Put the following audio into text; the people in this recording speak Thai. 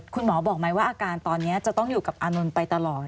คุณหมอบอกไหมว่าอาการตอนนี้จะต้องอยู่กับอานนท์ไปตลอด